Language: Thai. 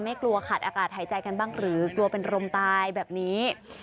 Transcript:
กลัวขาดอากาศหายใจกันบ้างหรือกลัวเป็นรมตายแบบนี้